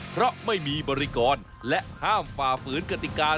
เพราะไม่มีบริกรและห้ามฝ่าฝืนกติกา